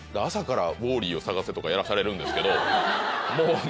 朝から『ウォーリーをさがせ！』とかやらされるんですけどもう。